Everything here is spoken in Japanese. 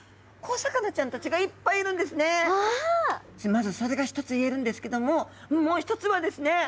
まずそれが一つ言えるんですけどももう一つはですね